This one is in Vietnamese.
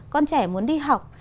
con trẻ muốn đi học